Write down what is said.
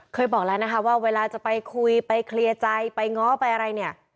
บอกแล้วนะคะว่าเวลาจะไปคุยไปเคลียร์ใจไปง้อไปอะไรเนี่ย